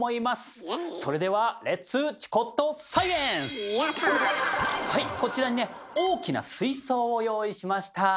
それでははいこちらにね大きな水槽を用意しました。